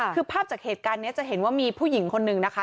คือภาพจากเหตุการณ์นี้จะเห็นว่ามีผู้หญิงคนนึงนะคะ